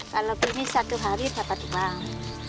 kalau beli satu hari dapat uang